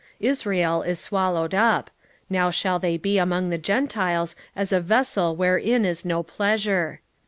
8:8 Israel is swallowed up: now shall they be among the Gentiles as a vessel wherein is no pleasure.